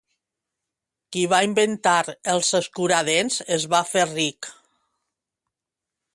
Qui va inventar els escuradents es va fer ric